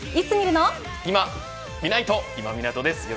いまみないと、今湊です。